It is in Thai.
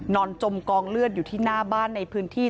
จมกองเลือดอยู่ที่หน้าบ้านในพื้นที่